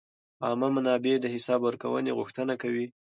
عامه منابع د حساب ورکونې غوښتنه کوي.